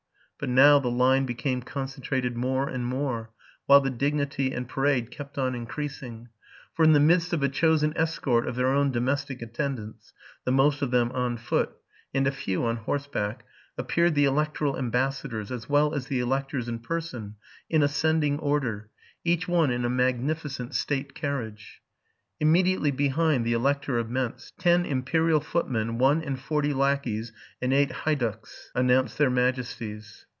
But now the line became concentrated more and more, while the dignity and parade kept on increasing. For in the midst of a chosen escort of their own domestic attendants, the most of them on foot, and a few on horseback, appeared the electoral ambassadors, as well as the electors in person, in ascending order, each one in a magnificent state carriage. Immediately behind the Elector of Mentz, ten imperial foot men, one and forty lackeys, and eight heyducks announced their majesties.